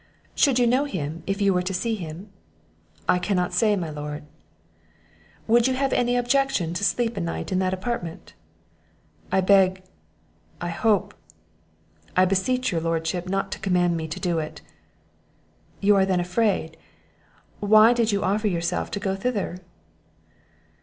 "Should you know him if you were to see him?" "I cannot say, my lord." "Would you have any objection to sleep a night in that apartment?" "I beg," "I hope," "I beseech your lordship not to command me to do it!" "You are then afraid; why did you offer yourself to go thither?"